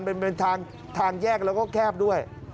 มันเป็นทางแยกแล้วก็แคบด้วย